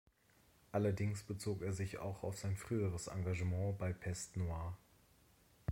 Allerdings bezog er sich auch auf sein früheres Engagement bei Peste Noire.